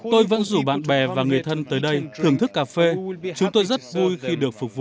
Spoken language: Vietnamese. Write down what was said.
tôi vẫn rủ bạn bè và người thân tới đây thưởng thức cà phê chúng tôi rất vui khi được phục vụ